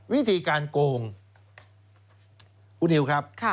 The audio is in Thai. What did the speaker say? วิธีการโกงคุณนิวครับ